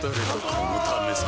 このためさ